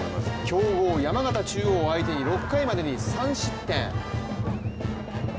今日、山形中央を相手に６回までに３失点。